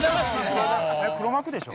黒幕でしょ？